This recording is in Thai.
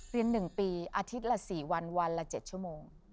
เรียนหนึ่งปีอาทิตย์ละสี่วันวันละเจ็ดชั่วโมง